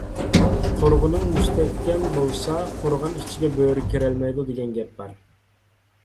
«قورغىنىڭ مۇستەھكەم بولسا، قورغان ئىچىگە بۆرە كىرەلمەيدۇ» دېگەن گەپ بار.